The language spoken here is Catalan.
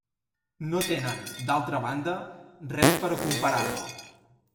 No tenen, d'altra banda, res per a comparar-lo.